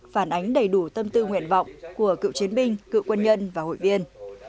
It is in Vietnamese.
phản ánh đầy đủ tâm tư nguyện vọng của cựu chiến binh cựu quân nhân và hội viên